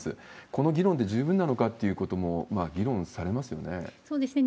この議論で十分なのかということも、議論されますよね。